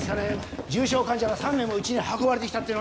重症患者が３名もうちに運ばれてきたっていうのにもう。